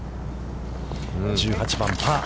１８番パー。